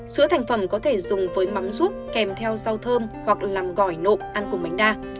sứa thành phẩm có thể dùng với mắm ruốc kèm theo rau thơm hoặc làm gỏi nộp ăn cùng bánh đa